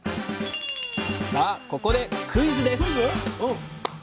さあここでクイズです！